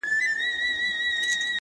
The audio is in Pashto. که مي دوی نه وای وژلي دوی وژلم!